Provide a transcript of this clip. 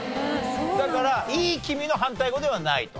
だからいい気味の反対語ではないと。